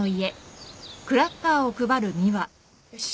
よし。